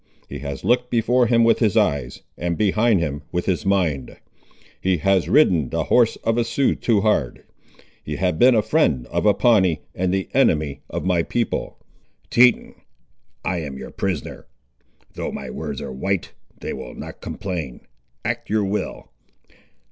He has looked before him with his eyes, and behind him with his mind. He has ridden the horse of a Sioux too hard; he has been the friend of a Pawnee, and the enemy of my people." "Teton, I am your prisoner. Though my words are white, they will not complain. Act your will."